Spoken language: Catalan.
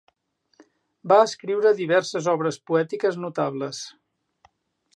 Va escriure diverses obres poètiques notables.